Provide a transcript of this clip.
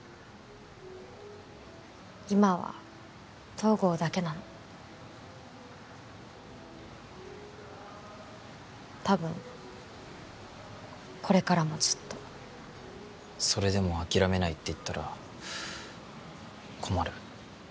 今は東郷だけなのたぶんこれからもずっとそれでも諦めないって言ったら困る？